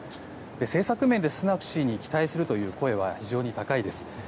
政策面でスナク氏に期待するという声は非常に高いです。